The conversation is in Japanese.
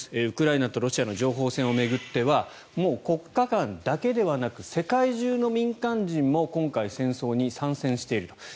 ウクライナとロシアの情報戦を巡ってはもう国家間だけではなく世界中の民間人も今回、戦争に参戦していると。